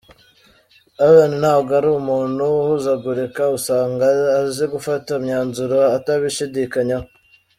Alain ntabwo ari umuntu uhuzagurika, usanga azi gufata imyanzuro atabishidikanyaho.